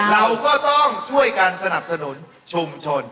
เราก็ต้องช่วยกันสนับสนุนชุมชน